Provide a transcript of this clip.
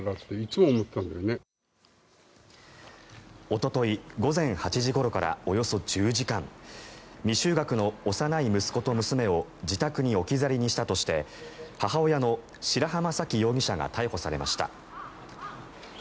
おととい午前８時ごろからおよそ１０時間未就学の幼い息子と娘を自宅に置き去りにしたとして母親の白濱沙紀容疑者が逮捕されました。